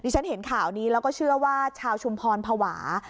ฉันเห็นข่าวนี้แล้วก็เชื่อว่าชาวชุมพรภาวะ